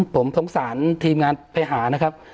ผมสงสารทีมงานไปหานะครับ